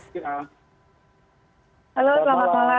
halo selamat malam